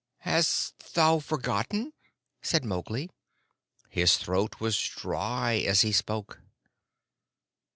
"Hast thou forgotten?" said Mowgli. His throat was dry as he spoke.